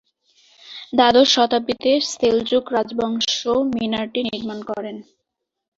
দ্বাদশ শতাব্দীতে সেলজুক রাজবংশ মিনারটি নির্মাণ করেন।